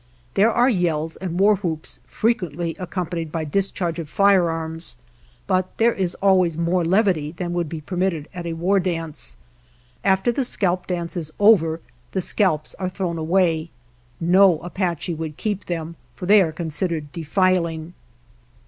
There are yells and war whoops, frequently accompanied by dis charge of firearms, but there is always more levity than would be permitted at a war dance. After the scalp dance is over the scalps are thrown away. No Apache would keep them, for they are considered defiling.